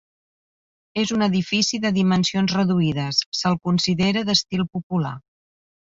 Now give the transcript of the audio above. És un edifici de dimensions reduïdes, se'l considera d'estil popular.